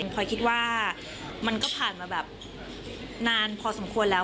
พลอยคิดว่ามันก็ผ่านมาแบบนานพอสมควรแล้ว